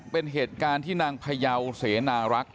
เป็นเหตุการณ์ที่นางพยาวเสนารักษ